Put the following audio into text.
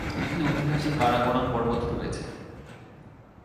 এখানে ঐতিহাসিক কারাকোরাম পর্বত রয়েছে।